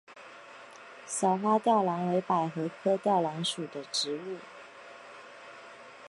小花吊兰为百合科吊兰属的植物。